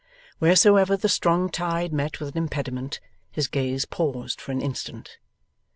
Wheresoever the strong tide met with an impediment, his gaze paused for an instant.